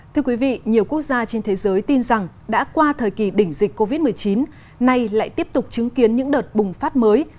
thưa quý vị nhiều quốc gia trên thế giới tin rằng đã qua thời kỳ đỉnh dịch covid một mươi chín nay lại tiếp tục chứng kiến những đợt bùng phát mới